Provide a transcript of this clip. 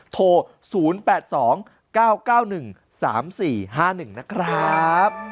โทร๐๘๒๙๙๑๓๔๕๑นะครับ